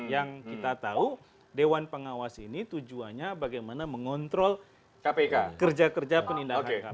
yang kita tahu dewan pengawas ini tujuannya bagaimana mengontrol kerja kerja penindakan kpk